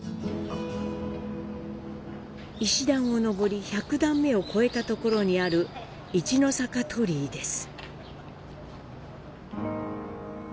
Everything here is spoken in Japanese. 石段を上り１００段目を越えたところにある一之坂鳥居です。